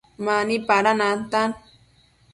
Mani pada nantan